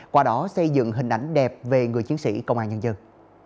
qua đó xây dựng hình ảnh đẹp về người chiến sĩ công an nhân dân